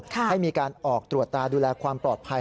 ให้มีการออกตรวจตาดูแลความปลอดภัย